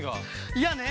いやね